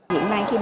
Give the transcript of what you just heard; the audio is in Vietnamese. hiện nay khi mình